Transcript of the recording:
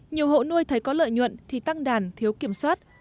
nhiều hộ nuôi thấy có lợi nhuận thì tăng đàn thiếu kiểm soát